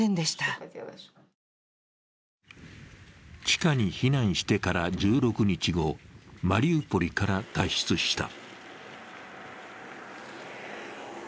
地下に避難してから１６日後、マリウポリから脱出した。